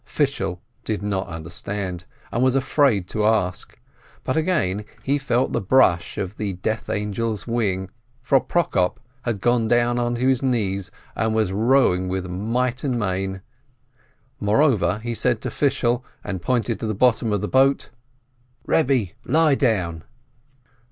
Fishel did not understand, and was afraid to ask; but again he felt the brush of the Death Angel's wing, for Prokop had gone down onto his knees, and was rowing with might and main. Moreover, he said to Fishel, and pointed to the bottom of the boat: "Kebbe, lie down